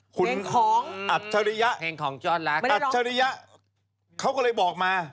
เพลงของอัจฉริยะเขาก็เลยบอกมา